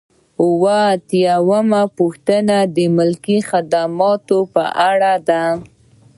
اووه اتیا یمه پوښتنه د ملکي خدمتونو په اړه ده.